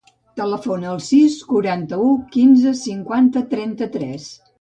Telefona al sis, quaranta-u, quinze, cinquanta, trenta-tres.